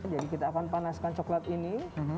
jadi kita akan panaskan coklat ini